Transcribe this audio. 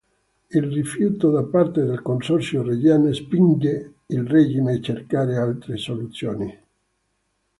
Il rifiuto da parte del Consorzio Reggiano spinge il regime cercare altre soluzioni.